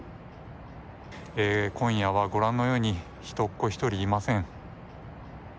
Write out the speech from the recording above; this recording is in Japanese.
今夜はご覧のように人っ子１人いません。